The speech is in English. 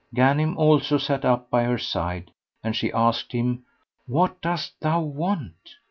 Ghanim also sat up by her side and she asked him, "What dost thou want?"